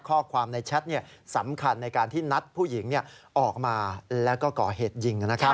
ข้อความในแชทสำคัญในการที่นัดผู้หญิงออกมาแล้วก็ก่อเหตุยิงนะครับ